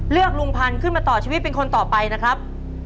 ลุงพันธุ์ขึ้นมาต่อชีวิตเป็นคนต่อไปนะครับ